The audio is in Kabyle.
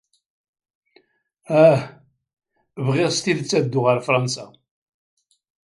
Ah, bɣiɣ s tidet ad dduɣ ɣer Fṛansa.